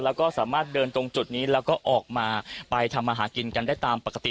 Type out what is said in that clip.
แล้วก็สามารถเดินตรงจุดนี้แล้วก็ออกมาไปทำมาหากินกันได้ตามปกติ